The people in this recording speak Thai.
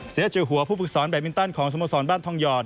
เสียจือหัวผู้ฟุกศรแบบมิ้นตั้นของสมสรบ้านทองยอด